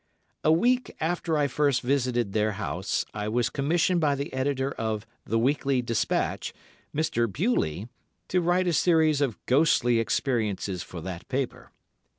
A year after I first visited their house, I was commissioned by the Editor of "The Weekly Despatch," Mr. Beuley, to write a series of ghostly experiences for that paper.